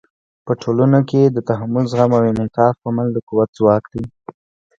په ټولنو کې د تحمل، زغم او انعطاف عمل د قوت ځواک دی.